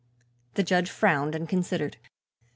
The judge frowned and considered.